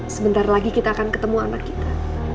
sebentar lagi kita akan ketemu anak kita